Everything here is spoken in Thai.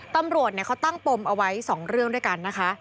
ตำรวจเขาตั้งปมเอาไว้๒เรื่องด้วยกันนะคะ